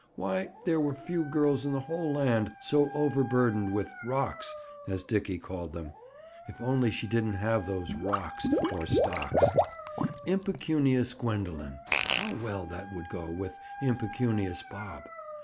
Why, there were few girls in the whole land so overburdened with "rocks"—as Dickie called them! If only she didn't have those rocks—or stocks! "Impecunious Gwendoline!" How well that would go with "Impecunious Bob!"